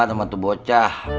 temen tuh bocah